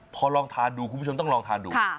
พอลองทานดูคุณผู้ชมต้องลองทานดู